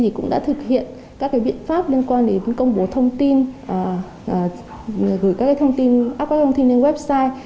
paichi cũng đã thực hiện các biện pháp liên quan đến công bố thông tin gửi các thông tin lên website